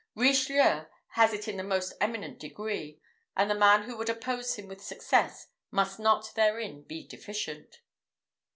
Richelieu has it in the most eminent degree; and the man who would oppose him with success must not therein be deficient."